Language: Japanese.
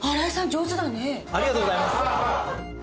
ありがとうございます。